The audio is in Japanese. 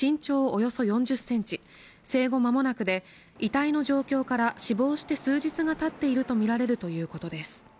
およそ４０センチ生後間もなくで遺体の状況から死亡して数日がたっていると見られるということです